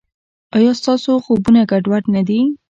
ایا ستاسو خوبونه ګډوډ نه دي؟